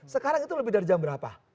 sekarang itu lebih dari jam berapa